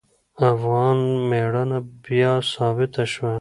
افغان میړانه بیا ثابته شوه.